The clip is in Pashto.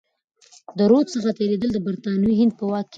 د رود څخه تیریدل د برتانوي هند په واک کي دي.